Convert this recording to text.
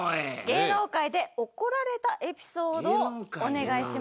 芸能界で怒られたエピソードをお願いします。